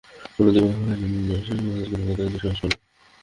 কোন দিবাস্বপ্নে সে আমাদেরকে ধোঁকা দেয়ার দুঃসাহস করল?